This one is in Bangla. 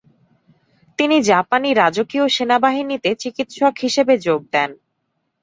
তিনি জাপানি রাজকীয় সেনাবাহিনীতে চিকিৎসক হিসেবে যোগ দেন।